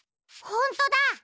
ほんとだ！